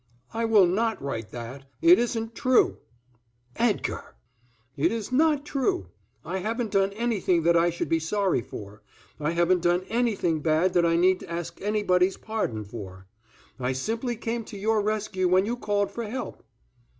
"I will not write that. It isn't true." "Edgar!" "It is not true. I haven't done anything that I should be sorry for. I haven't done anything bad that I need ask anybody's pardon for. I simply came to your rescue when you called for help."